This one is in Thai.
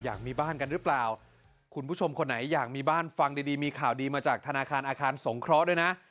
อยากมีบ้านกันหรือเปล่าคุณผู้ชมคนไหนอยากมีบ้านฟังดีดีมีข่าวดีมาจากธนาคารอาคารสงเคราะห์ด้วยนะ